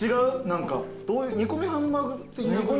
何か煮込みハンバーグ的な。